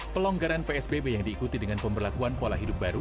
pelonggaran psbb yang diikuti dengan pemberlakuan pola hidup baru